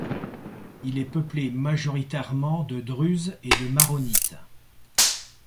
Il est peuplé majoritairement de Druzes et de Maronites.